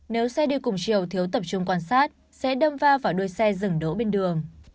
nếu xe đi cùng chiều thiếu tập trung quan sát sẽ đâm va vào đuôi xe dừng đỗ bên đường